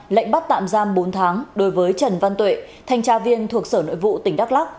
lệnh bắt tạm giam bốn tháng đối với trần văn tuệ thanh tra viên thuộc sở nội vụ tỉnh đắk lắc